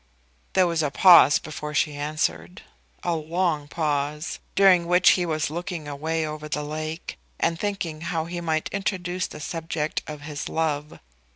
There was a pause before she answered, a long pause, during which he was looking away over the lake, and thinking how he might introduce the subject of his love.